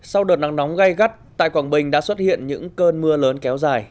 sau đợt nắng nóng gây gắt tại quảng bình đã xuất hiện những cơn mưa lớn kéo dài